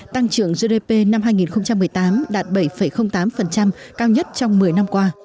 tăng trưởng gdp năm hai nghìn một mươi tám đạt bảy tám cao nhất trong một mươi năm qua